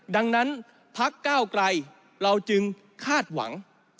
ดังนั้นพักก้าวไกลเราจึงคาดหวัง